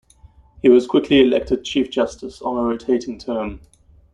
He was quickly elected chief justice, on a rotating term.